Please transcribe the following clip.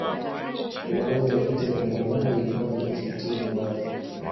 kiongozi wa vita vya majimaji alikuwa ni Kinjekitile ngwale